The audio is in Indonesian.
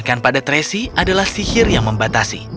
ikan pada tracy adalah sihir yang membatasi